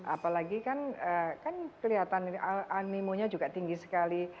apalagi kan kelihatan animonya juga tinggi sekali